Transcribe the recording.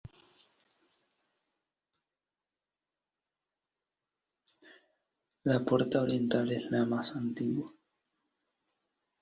La puerta oriental es la más antigua.